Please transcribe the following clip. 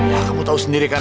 ya kamu tahu sendiri kan